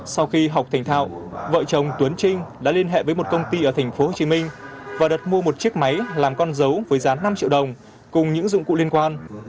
sau khi học thành thạo vợ chồng tuấn trinh đã liên hệ với một công ty ở thành phố hồ chí minh và đặt mua một chiếc máy làm con dấu với giá năm triệu đồng cùng những dụng cụ liên quan